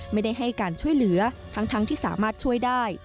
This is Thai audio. ไม่ได้ให้การช่วยเหลือทั้งที่สามารถช่วยได้